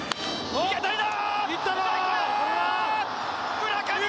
いい当たりだ！